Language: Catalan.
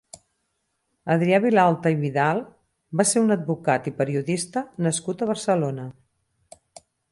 Adrià Vilalta i Vidal va ser un advocat i periodista nascut a Barcelona.